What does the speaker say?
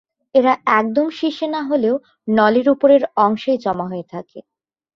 এরা একদম শীর্ষে না হলেও নলের ওপরের অংশেই জমা হয়ে থাকে।